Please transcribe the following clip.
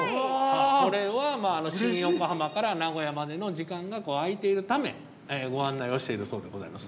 これは新横浜から名古屋までの時間が空いているためご案内をしているそうでございます。